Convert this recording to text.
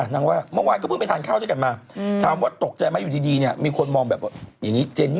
นางรู้ว่าอะไรเป็นอะไรแล้วนางไม่ได้ตื่นเต้น